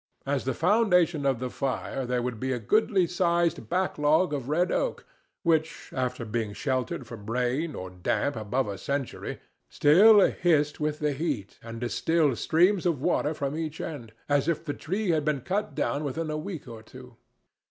As the foundation of the fire there would be a goodly sized back log of red oak, which after being sheltered from rain or damp above a century still hissed with the heat and distilled streams of water from each end, as if the tree had been cut down within a week or two.